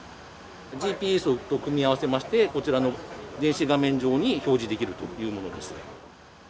ＧＰＳと組み合わせまして、こちらの電子画面上に表示できるというものです。